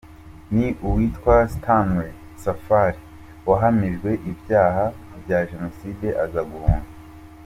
Ni uwitwa Stanley Safari wahamijwe ibyaha bya Jenoside aza guhunga.